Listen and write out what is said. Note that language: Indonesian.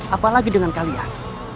apalagi dengan kalian